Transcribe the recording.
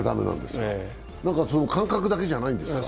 感覚だけじゃないんですか？